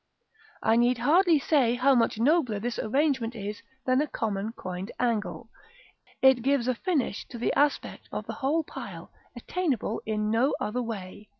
I need hardly say how much nobler this arrangement is than a common quoined angle; it gives a finish to the aspect of the whole pile attainable in no other way.